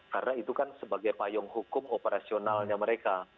karena itu kan sebagai payung hukum operasionalnya mereka